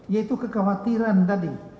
yaitu kekhawatiran tadi